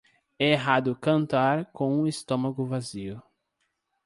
É errado cantar com o estômago vazio.